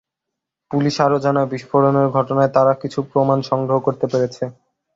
Police আরও জানায়, বিস্ফোরণের ঘটনায় তারা কিছু প্রমাণ সংগ্রহ করতে পেরেছে।